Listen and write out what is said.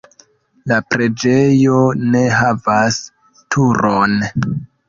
La preĝejo ne havas turon.